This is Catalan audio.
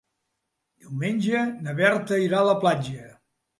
Diumenge na Berta irà a la platja.